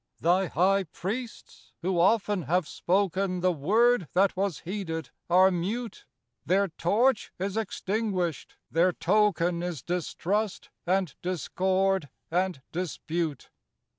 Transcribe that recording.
Thy high priests, who often have spoken The word that was heeded, are mute; Their torch is extinguished; their token Is distrust and discord and dispute.